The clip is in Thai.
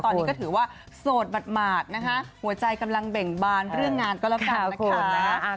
ตอนนี้ก็ถือว่าโสดหมาดนะคะหัวใจกำลังเบ่งบานเรื่องงานก็แล้วกันนะคะ